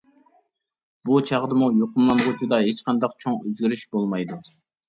بۇ چاغدىمۇ يۇقۇملانغۇچىدا ھېچقانداق چوڭ ئۆزگىرىش بولمايدۇ.